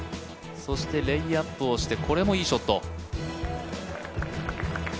そしてレイアップをしてこれもいいショット。